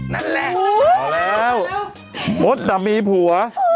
นั่นแหละออกแล้วโอ๊ยน้ำมีผัว